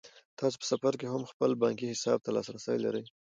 تاسو په سفر کې هم خپل بانکي حساب ته لاسرسی لرئ.